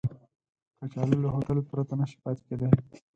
کچالو له هوټل پرته نشي پاتې کېدای